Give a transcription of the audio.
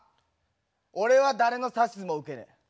俺は誰の指図も受けねえ。